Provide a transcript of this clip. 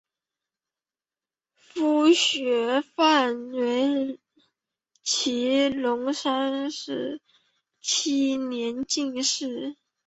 父许学范为乾隆三十七年进士。